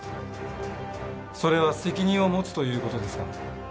それは責任を持つという事ですか？